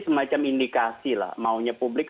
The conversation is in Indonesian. semacam indikasi lah maunya publik